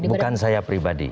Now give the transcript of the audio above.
bukan saya pribadi